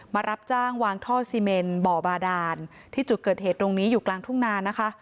มารับจ้างวางท่อซีเมนบ่อบาดานที่จุดเกิดเหตุตรงนี้อยู่กลางทุ่งนานะคะ